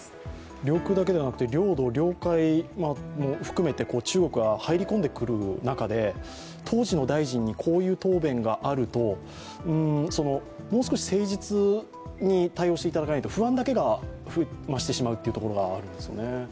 領空だけでなく、領土・領海も含めて中国が入り込んでくる中で、当時の大臣にこういう答弁があると、もう少し誠実に対応していただかないと不安だけが増してしまうところがあるんですよね。